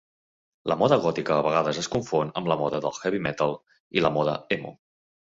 La moda gòtica a vegades es confon amb la moda del heavy metal i la moda emo.